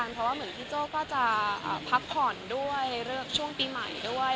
เพราะว่าเหมือนพี่โจ้ก็จะพักผ่อนด้วยเลือกช่วงปีใหม่ด้วย